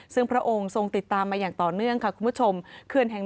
ซึ่งพระองค์ทรงติดตามตอเนื่อง